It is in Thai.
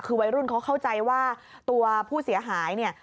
คือวัยรุ่นเขาเข้าใจว่าตัวผู้เสียหายเนี่ย